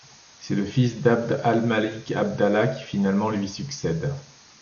C'est le fils d'ʿAbd Al-Malik, ʿAbdallāh, qui finalement lui succède.